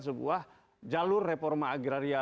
sebuah jalur reforma agraria